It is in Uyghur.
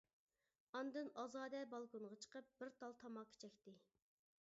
ئاندىن ئازادە بالكونغا چىقىپ بىر تال تاماكا چەكتى.